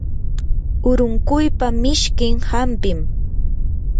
urunquypa mishkin hampim.